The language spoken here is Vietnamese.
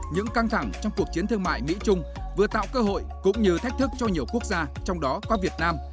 những căng thẳng trong cuộc chiến thương mại mỹ trung vừa tạo cơ hội cũng như thách thức cho nhiều quốc gia trong đó có việt nam